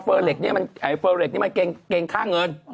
เฟอร์เหล็กนี่มันเก็งค่าเงิน